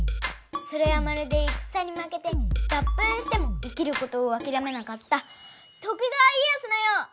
それはまるで戦にまけてだっぷんしても生きることをあきらめなかった徳川家康のよう！